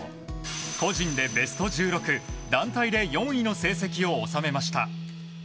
個人でベスト１６団体で４位の成績を収めました。